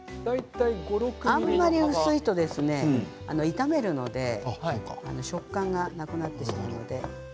あんまり薄いと炒めるので食感がなくなってしまうので。